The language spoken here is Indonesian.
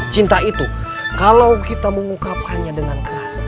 cinta itu kalau kita mengungkapkannya dengan keras